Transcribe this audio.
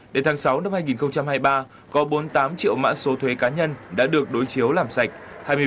đến tháng sáu năm hai nghìn hai mươi ba có bốn mươi tám triệu mã số thuế cá nhân đã được đối chiếu làm sạch